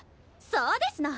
そうですの！